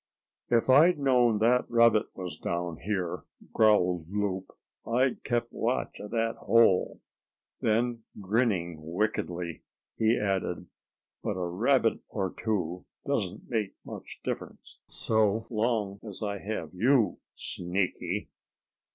"If I'd known that rabbit was down here," growled Loup, "I'd kept watch at that hole." Then grinning wickedly, he added: "But a rabbit or two doesn't make much difference so long as I have you, Sneaky."